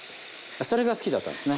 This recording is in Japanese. それが好きだったんですね。